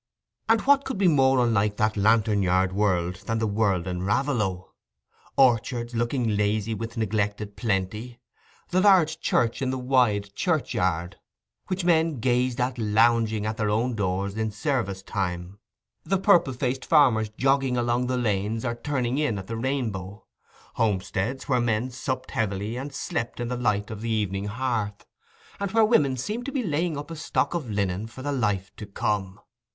And what could be more unlike that Lantern Yard world than the world in Raveloe?—orchards looking lazy with neglected plenty; the large church in the wide churchyard, which men gazed at lounging at their own doors in service time; the purple faced farmers jogging along the lanes or turning in at the Rainbow; homesteads, where men supped heavily and slept in the light of the evening hearth, and where women seemed to be laying up a stock of linen for the life to come.